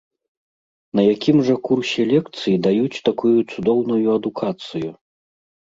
На якім жа курсе лекцый даюць такую цудоўную адукацыю?